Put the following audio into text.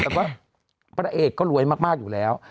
แต่ว่าพระเอกก็รวยมากอยู่แล้ว